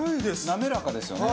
滑らかですよね。